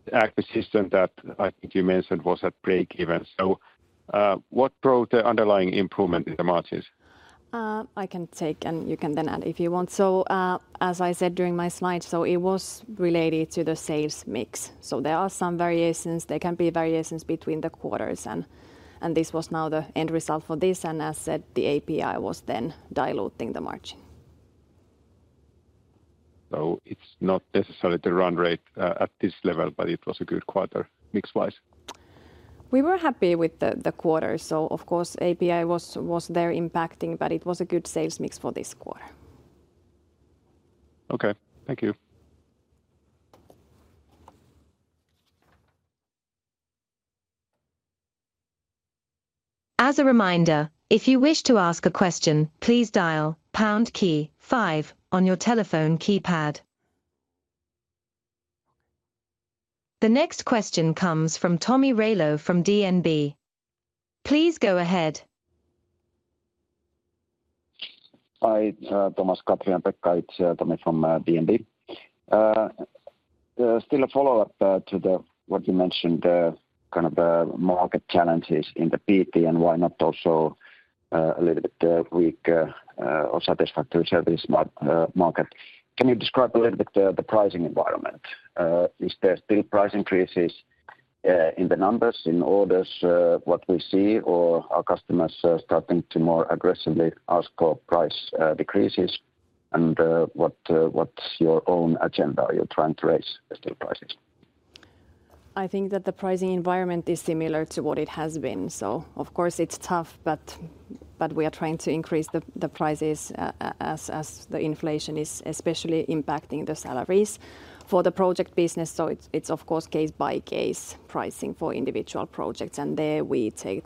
Speaker 8: the acquisition that I think you mentioned was at breakeven. So, what brought the underlying improvement in the margins?
Speaker 3: I can take and you can then add if you want. So, as I said during my slides, so it was related to the sales mix. So, there are some variations. There can be variations between the quarters. And this was now the end result for this. And as said, the API was then diluting the margin.
Speaker 8: So it's not necessarily the run rate at this level, but it was a good quarter mix-wise.
Speaker 3: We were happy with the quarter. So of course, API was there impacting, but it was a good sales mix for this quarter.
Speaker 8: Okay, thank you.
Speaker 4: As a reminder, if you wish to ask a question, please dial pound key five on your telephone keypad. The next question comes from Tomi Railo from DNB. Please go ahead.
Speaker 9: Hi, Thomas, Katri and Pekka. It's Tomi from DNB. Still a follow-up to what you mentioned, kind of the market challenges in the PT and why not also a little bit weaker or satisfactory service market. Can you describe a little bit the pricing environment? Is there still price increases in the numbers, in orders, what we see, or are customers starting to more aggressively ask for price decreases? And what's your own agenda? Are you trying to raise the still prices?
Speaker 3: I think that the pricing environment is similar to what it has been. So of course, it's tough, but we are trying to increase the prices as the inflation is especially impacting the salaries for the project business. So it's of course case by case pricing for individual projects. And there we take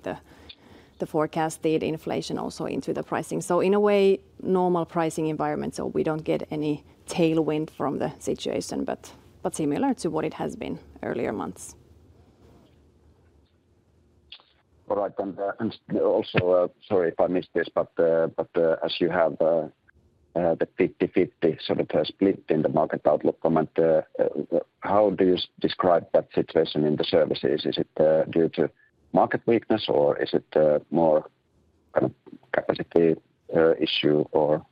Speaker 3: the forecasted inflation also into the pricing. So in a way, normal pricing environment, so we don't get any tailwind from the situation, but similar to what it has been earlier months.
Speaker 9: All right, and also, sorry if I missed this, but as you have the 50-50 sort of split in the market outlook comment, how do you describe that situation in the services? Is it due to market weakness or is it more kind of capacity issue or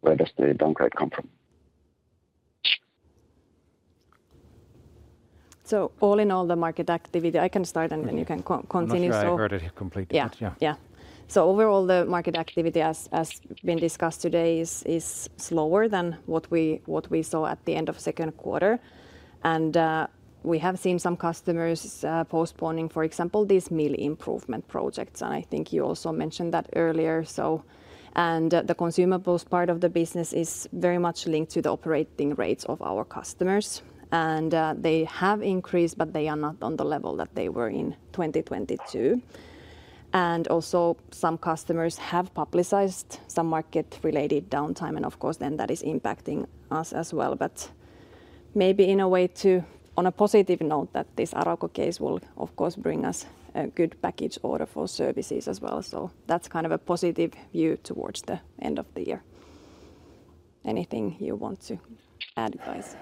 Speaker 9: where does the downgrade come from?
Speaker 3: So all in all, the market activity, I can start and then you can continue. So I heard it completely. Yeah. Yeah. So overall, the market activity, has been discussed today, is slower than what we saw at the end of second quarter. And we have seen some customers postponing, for example, these mill improvement projects. And I think you also mentioned that earlier. And the consumables part of the business is very much linked to the operating rates of our customers. They have increased, but they are not on the level that they were in 2022. Also, some customers have publicized some market-related downtime. Of course, then that is impacting us as well. But maybe in a way too, on a positive note that this Arauco case will of course bring us a good package order for services as well. That's kind of a positive view towards the end of the year. Anything you want to add, guys?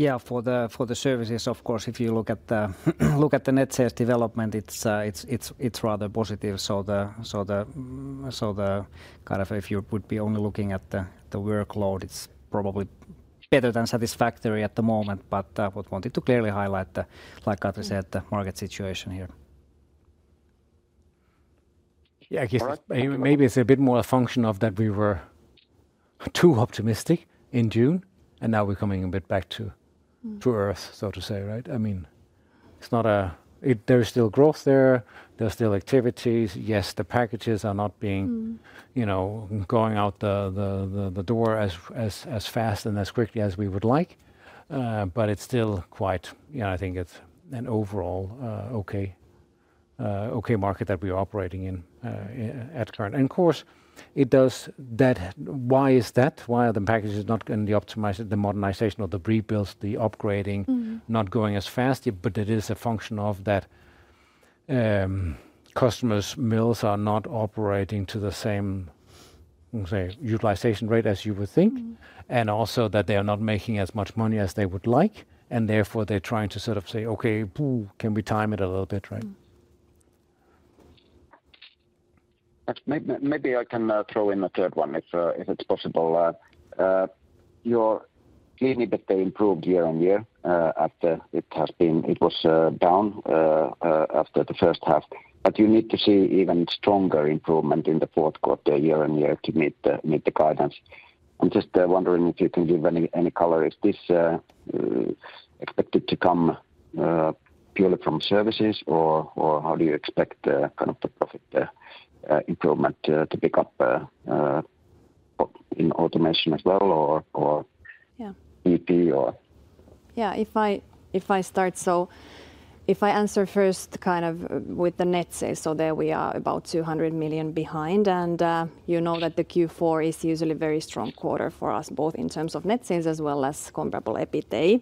Speaker 2: Yeah, for the services, of course, if you look at the net sales development, it's rather positive. So the kind of if you would be only looking at the workload, it's probably better than satisfactory at the moment. But what I wanted to clearly highlight, like Katri said, the market situation here. Yeah, I guess maybe it's a bit more a function of that we were too optimistic in June. And now we're coming a bit back to earth, so to say, right? I mean, it's not that there's still growth there. There's still activity. Yes, the packages are not going out the door as fast and as quickly as we would like. But it's still quite, I think, an overall okay market that we are operating in currently. And of course, it does that. Why is that? Why are the packages not getting the optimization, the modernization, or the rebuilds, the upgrading not going as fast? But it is a function of that customers' mills are not operating to the same utilization rate as you would think. And also that they are not making as much money as they would like. Therefore, they're trying to sort of say, okay, can we time it a little bit, right?
Speaker 9: Maybe I can throw in a third one if it's possible. You clearly see that they improved year on year after it was down after the first half. You need to see even stronger improvement in the fourth quarter year on year to meet the guidance. I'm just wondering if you can give any color if this is expected to come purely from services or how do you expect kind of the profit improvement to pick up in automation as well or PT or?
Speaker 3: Yeah, if I start, so if I answer first kind of with the net sales, so there we are about 200 million behind. You know that the Q4 is usually a very strong quarter for us, both in terms of net sales as well as comparable EBITDA.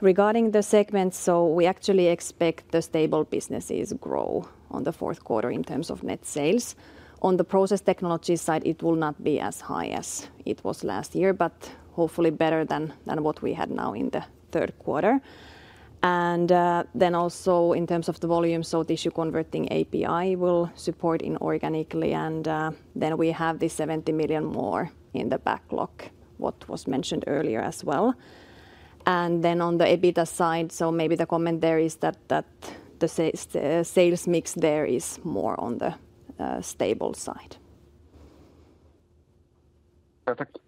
Speaker 3: Regarding the segments, so we actually expect the stable businesses grow in the fourth quarter in terms of net sales. On the process technology side, it will not be as high as it was last year, but hopefully better than what we had now in the third quarter. And then also in terms of the volume, so Tissue Converting, API will support inorganically. And then we have 70 million more in the backlog, what was mentioned earlier as well. And then on the EBITDA side, so maybe the comment there is that the sales mix there is more on the stable side. Perfect.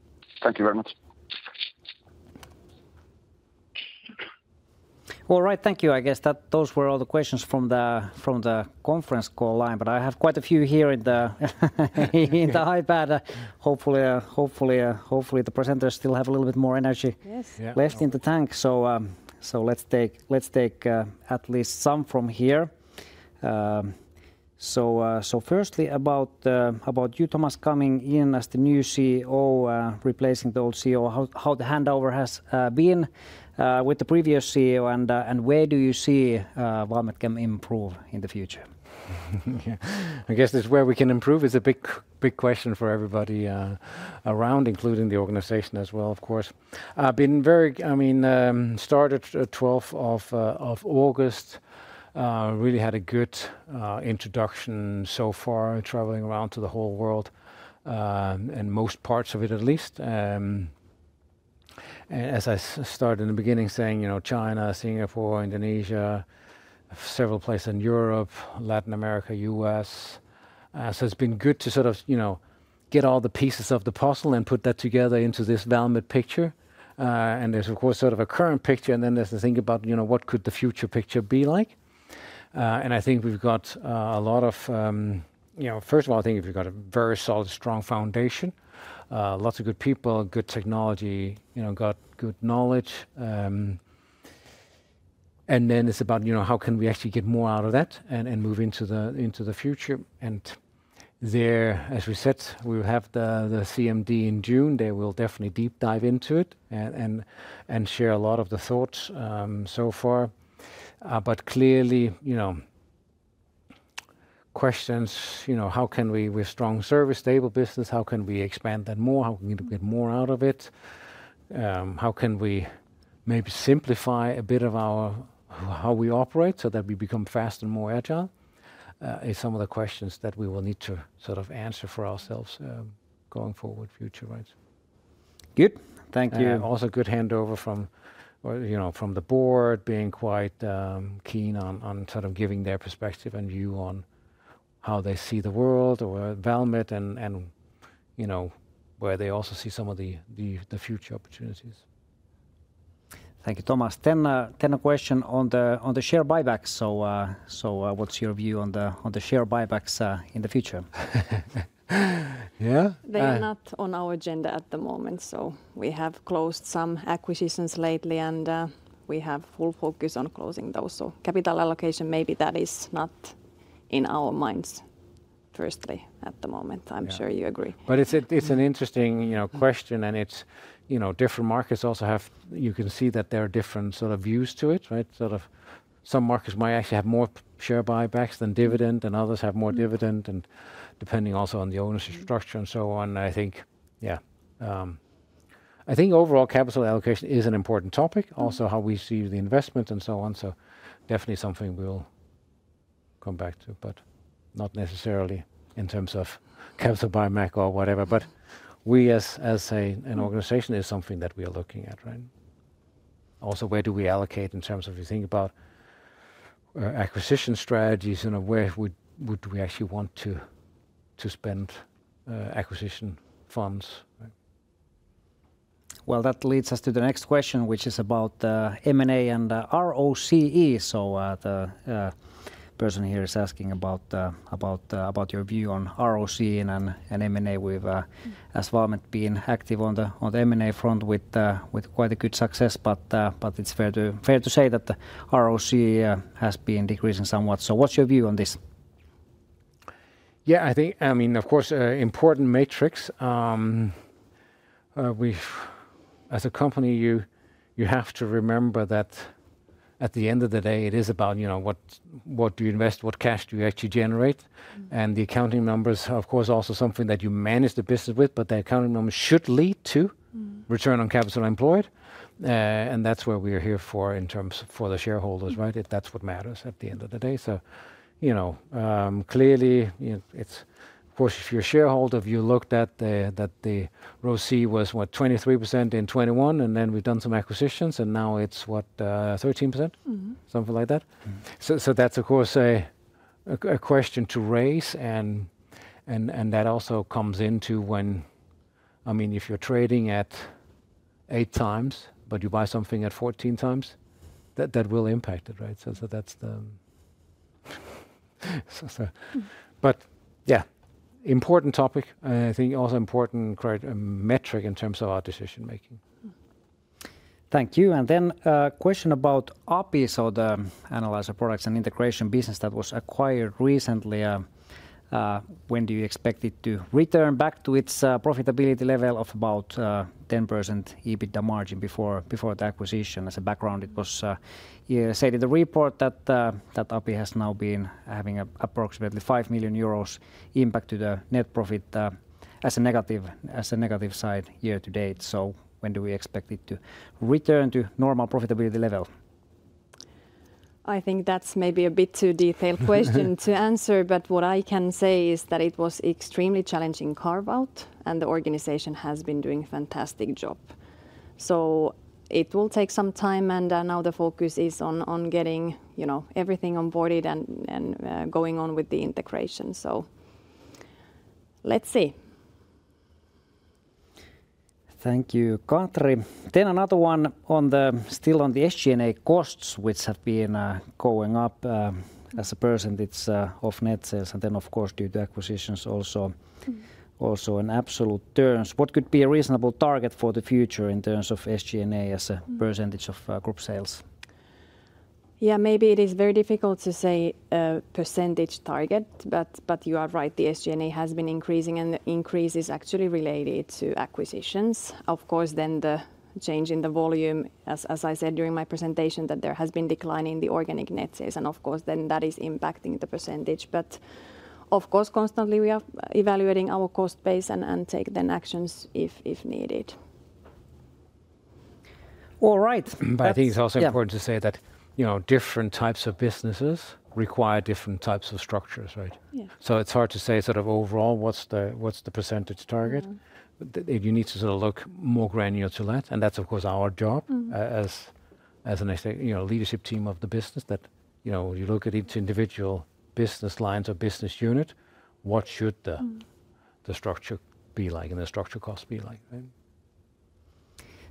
Speaker 3: Thank you very much.
Speaker 1: All right, thank you. I guess that those were all the questions from the conference call line, but I have quite a few here in the iPad. Hopefully, the presenters still have a little bit more energy left in the tank. So let's take at least some from here. So firstly about you, Thomas, coming in as the new CEO, replacing the old CEO, how the handover has been with the previous CEO and where do you see Valmet can improve in the future?
Speaker 2: I guess this is where we can improve is a big question for everybody around, including the organization as well, of course. I mean, started 12th of August, really had a good introduction so far, traveling around to the whole world and most parts of it at least. As I started in the beginning saying, you know, China, Singapore, Indonesia, several places in Europe, Latin America, U.S. So it's been good to sort of get all the pieces of the puzzle and put that together into this Valmet picture. And there's of course sort of a current picture, and then there's the thing about what could the future picture be like. And I think we've got a lot of, first of all, I think we've got a very solid, strong foundation, lots of good people, good technology, got good knowledge. And then it's about how can we actually get more out of that and move into the future. And there, as we said, we will have the CMD in June. They will definitely deep dive into it and share a lot of the thoughts so far. But clearly, questions: how can we with strong service, stable business, how can we expand that more? How can we get more out of it? How can we maybe simplify a bit of how we operate so that we become fast and more agile? Some of the questions that we will need to sort of answer for ourselves going forward, future, right?
Speaker 1: Good. Thank you.
Speaker 2: Also good handover from the board being quite keen on sort of giving their perspective and view on how they see the world or Valmet and where they also see some of the future opportunities.
Speaker 1: Thank you, Thomas. Then a question on the share buybacks. So what's your view on the share buybacks in the future? Yeah.
Speaker 3: They are not on our agenda at the moment. So we have closed some acquisitions lately and we have full focus on closing those. So capital allocation, maybe that is not in our minds firstly at the moment. I'm sure you agree.
Speaker 2: But it's an interesting question and it's different markets also have, you can see that there are different sort of views to it, right? Sort of, some markets might actually have more share buybacks than dividends, and others have more dividends, and depending also on the ownership structure and so on. I think, yeah. I think overall capital allocation is an important topic, also how we see the investment and so on, so definitely something we'll come back to, but not necessarily in terms of capital buyback or whatever, but we as an organization is something that we are looking at, right? Also, where do we allocate in terms of if you think about acquisition strategies, where do we actually want to spend acquisition funds, well, that leads us to the next question, which is about M&A and ROCE, so the person here is asking about your view on ROCE and M&A. We, as Valmet, been active on the M&A front with quite a good success, but it's fair to say that the ROCE has been decreasing somewhat. So what's your view on this? Yeah, I think, I mean, of course, important metric. As a company, you have to remember that at the end of the day, it is about what do you invest, what cash do you actually generate. And the accounting numbers, of course, also something that you manage the business with, but the accounting numbers should lead to return on capital employed. And that's where we are here for in terms of for the shareholders, right? That's what matters at the end of the day. So clearly, of course, if you're a shareholder, if you looked at the ROCE was what, 23% in 2021 and then we've done some acquisitions and now it's what, 13%? Something like that. So that's of course a question to raise and that also comes into when, I mean, if you're trading at eight times, but you buy something at 14 times, that will impact it, right? So that's the, but yeah, important topic. I think also important metric in terms of our decision making.
Speaker 1: Thank you. And then a question about API, or the Analyzer Products and Integration business that was acquired recently. When do you expect it to return back to its profitability level of about 10% EBITDA margin before the acquisition? As a background, it was said in the report that API has now been having approximately 5 million euros impact to the net profit as a negative side year to date. So when do we expect it to return to normal profitability level?
Speaker 3: I think that's maybe a bit too detailed question to answer, but what I can say is that it was extremely challenging carve out and the organization has been doing a fantastic job. So it will take some time and now the focus is on getting everything onboarded and going on with the integration. So let's see.
Speaker 1: Thank you, Katri. Then another one on the still on the SG&A costs, which have been going up as a percentage of net sales and then of course due to acquisitions also in absolute terms. What could be a reasonable target for the future in terms of SG&A as a percentage of group sales?
Speaker 3: Yeah, maybe it is very difficult to say a percentage target, but you are right. The SG&A has been increasing and the increase is actually related to acquisitions. Of course, then the change in the volume, as I said during my presentation, that there has been decline in the organic net sales and of course then that is impacting the percentage. But of course, constantly we are evaluating our cost base and take then actions if needed.
Speaker 2: All right. But I think it's also important to say that different types of businesses require different types of structures, right? So it's hard to say sort of overall what's the percentage target. You need to sort of look more granular to that. And that's of course our job as a leadership team of the business that you look at each individual business lines or business unit, what should the structure be like and the structure cost be like?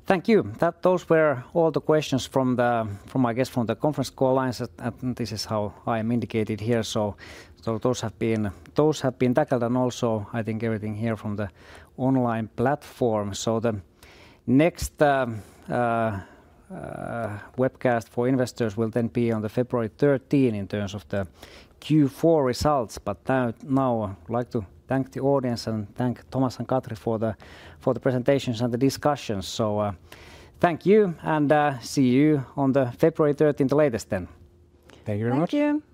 Speaker 1: Thank you. Those were all the questions from, I guess, from the conference call lines.
Speaker 2: And this is how I am indicated here. So those have been tackled. And also I think everything here from the online platform.
Speaker 1: So the next webcast for investors will then be on February 13 in terms of the Q4 results. But now I'd like to thank the audience and thank Thomas and Katri for the presentations and the discussions. So thank you and see you on February 13, the latest then.
Speaker 2: Thank you very much.
Speaker 3: Thank you.